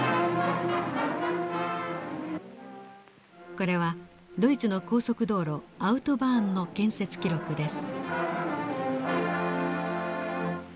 これはドイツの高速道路アウトバーンの建設記録です。